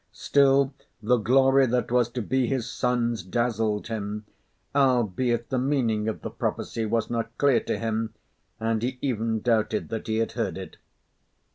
Still, the glory that was to be his son's dazzled him, albeit the meaning of the prophecy was not clear to him, and he even doubted that he had heard it.